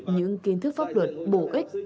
những kiến thức pháp luật bổ ích